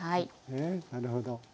なるほど。